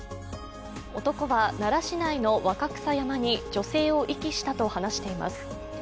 男は奈良市内の若草山に女性を遺棄したと話しています。